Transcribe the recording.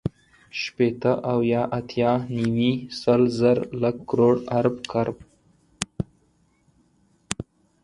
شپېته، اويا، اتيا، نيوي، سل، زر، لک، کروړ، ارب، کرب